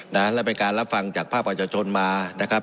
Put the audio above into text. และเป็นการรับฟังจากภาพประชาชนมานะครับ